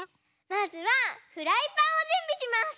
まずはフライパンをじゅんびします！